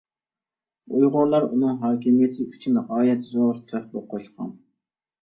ئۇيغۇرلار ئۇنىڭ ھاكىمىيىتى ئۈچۈن غايەت زور تۆھپە قوشقان.